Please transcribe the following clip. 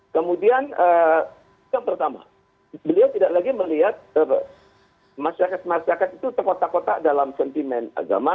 kemudian yang pertama beliau tidak lagi melihat masyarakat masyarakat itu terkotak kotak dalam sentimen agama